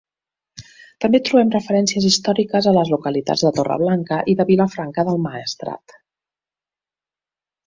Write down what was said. També trobem referències històriques a les localitats de Torreblanca i de Vilafranca del Maestrat.